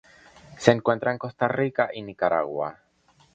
Se encuentra en Costa Rica y Nicaragua.